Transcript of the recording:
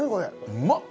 うまっ！